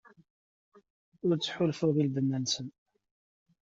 Ur ttḥulfuɣ i lbenna-nsen.